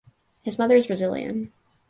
His mother is Brazilian.